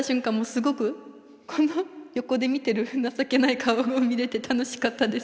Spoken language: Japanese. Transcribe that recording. すごくこの横で見てる情けない顔が見れて楽しかったです。